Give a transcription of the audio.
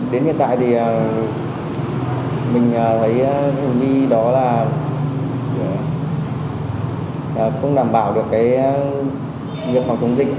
đến hiện tại thì mình thấy hồi đi đó là không đảm bảo được cái nghiệp phòng chống dịch